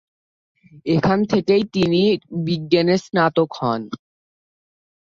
এখান থেকেই তিনি বিজ্ঞানে স্নাতক হন।